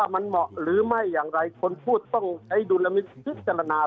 มันเหมาะหรือไม่อย่างไรคนพูดต้องใช้ดุลมิตพิจารณา